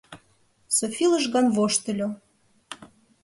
Софи лыжган воштыльо.